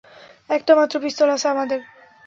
একটা মাত্র পিস্তল আছে আমাদের।